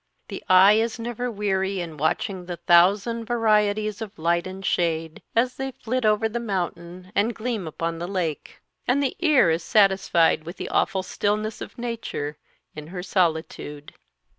The eye is never weary in watching the thousand varieties of light and shade, as they flit over the mountain and gleam upon the lake; and the ear is satisfied with the awful stillness of nature in her solitude.